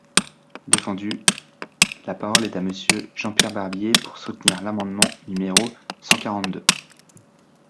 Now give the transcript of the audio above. Défendu ! La parole est à Monsieur Jean-Pierre Barbier, pour soutenir l’amendement numéro cent quarante-deux.